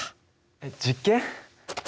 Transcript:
えっ実験？